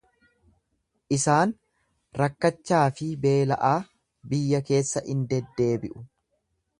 Isaan rakkachaa fi beela'aa biyya keessa in deddeebiu.